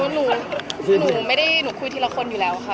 หนูไม่ได้หนูคุยทีละคนอยู่แล้วค่ะ